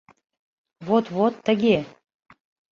Вот-вот тыге...